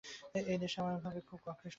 এই দেশ আমার ভাবে খুব আকৃষ্ট হচ্ছে।